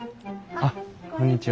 あっこんにちは。